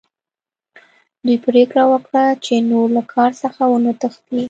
دوی پریکړه وکړه چې نور له کار څخه ونه تښتي